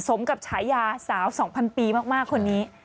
สมกับฉายาสาว๒๐๐ปีมากคนนี้